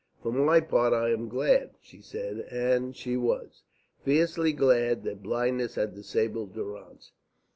"For my part, I am glad," she said, and she was fiercely glad that blindness had disabled Durrance.